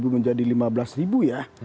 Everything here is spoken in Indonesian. menjadi tujuh menjadi lima belas ya